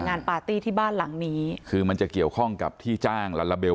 ปาร์ตี้ที่บ้านหลังนี้คือมันจะเกี่ยวข้องกับที่จ้างลาลาเบล